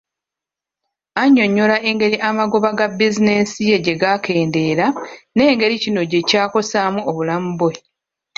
Annyonnyola engeri amagoba ga bizinensi ye gye gaakendeera n'engeri kino gye kyakosaamu obulamu bwe.